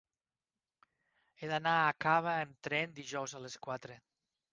He d'anar a Cava amb tren dijous a les quatre.